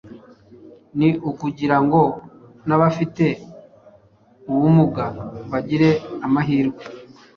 Ni ukugira ngo n’abafite ubumuga bagire amahirwe